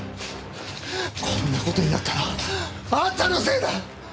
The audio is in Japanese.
こんな事になったのはあんたのせいだ！